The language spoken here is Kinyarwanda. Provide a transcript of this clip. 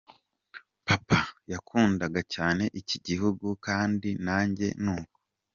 Papa yakundaga cyane iki gihugu kandi nanjye ni uko.